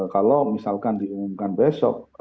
kalau misalkan diumumkan besok